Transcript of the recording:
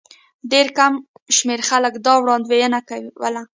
ډېر کم شمېر خلکو دا وړاندوینه کوله.